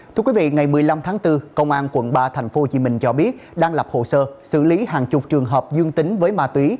thưa quý vị ngày một mươi năm tháng bốn công an quận ba tp hcm cho biết đang lập hồ sơ xử lý hàng chục trường hợp dương tính với ma túy